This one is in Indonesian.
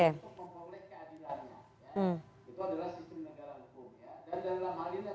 bahwa posisi korban akan diwakili